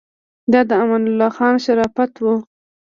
دا د امان الله خان شرافت و.